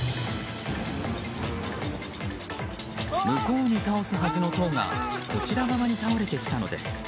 向こうに倒すはずの塔がこちら側に倒れてきたのです。